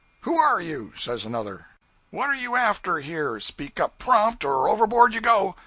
'Who are you?' says another. 'What are you after here? Speak up prompt, or overboard you go.